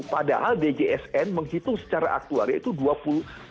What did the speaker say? padahal dgsn menghitung secara aktuaria itu rp tiga puluh enam